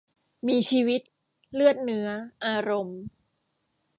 มีชีวิต เลือดเนื้อ อารมณ์